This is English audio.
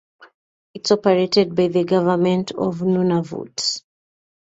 It is operated by the government of Nunavut.